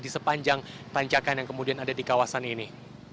di sepanjang tanjakan yang kemudian ada di kawasan ini